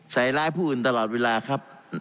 ใส่ร้ายผู้อื่นตลอดเวลาครับ